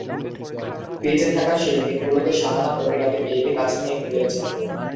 বেঁচে থাকার শেষ দিনগুলোতে শাহানা প্রতি রাতে মেয়েকে কাছে নিয়ে ঘুমিয়েছেন।